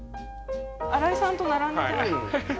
新井さんと並んでじゃあ。